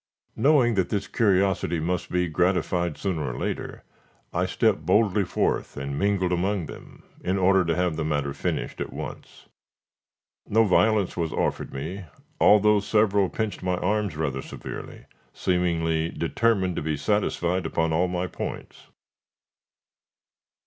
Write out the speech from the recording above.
Knowing that this curiosity must be gratified sooner or later, I stepped boldly forth, and mingled among them, in order to have the matter finished at once. No violence was offered me, although several pinched my arms rather severely, seemingly determined to be satisfied upon all my points.